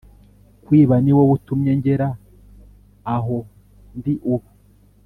kwiba niwowe utumye ngera aho ndi ubu,